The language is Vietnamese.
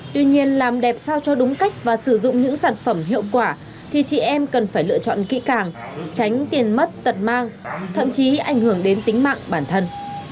tuy nhiên làm đẹp sao cho đúng cách và sử dụng những sản phẩm hiệu quả thì chị em cần phải lựa chọn kỹ càng tránh tiền mất tật mang thậm chí ảnh hưởng đến tính mạng bản thân